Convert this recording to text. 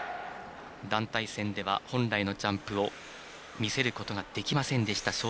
団体戦では本来のジャンプを見せることができませんでした。